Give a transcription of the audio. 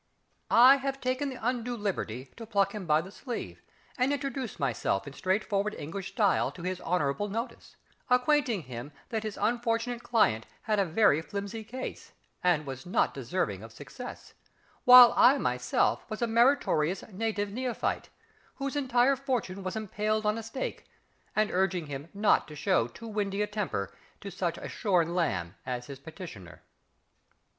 I have taken the undue liberty to pluck him by the sleeve and introduce myself in straightforward English style to his honourable notice, acquainting him that his unfortunate client had a very flimsy case, and was not deserving of success, while myself was a meritorious Native Neophyte, whose entire fortune was impaled on a stake, and urging him not to show too windy a temper to such a shorn lamb as his petitioner.